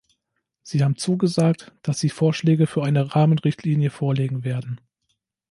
Sie haben zugesagt, dass Sie Vorschläge für eine Rahmenrichtlinie vorlegen werden.